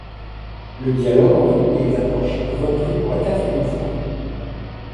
Le dialogue entre lui et Gavroche reprit pour la quatrième fois.